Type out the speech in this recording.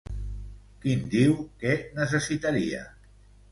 Quin diu que necessitaria?